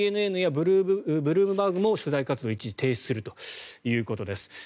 ＣＮＮやブルームバーグも取材活動を一時停止するということです。